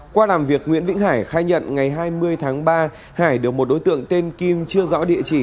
qua làm việc nguyễn vĩnh hải khai nhận ngày hai mươi tháng ba hải được một đối tượng tên kim chưa rõ địa chỉ